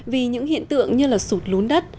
vì những hiện tượng như là sụt lún đất